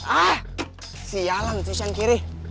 ah sialan si sean kiri